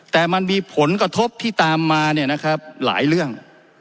แต่มันมีผลกระทบที่ตามมาเนี่ยนะครับหลายเรื่อง